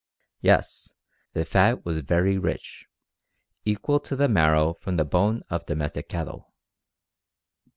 Yes, the fat was very rich, equal to the marrow from the bone of domestic cattle.